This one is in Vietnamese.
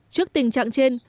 trước tình trạng trên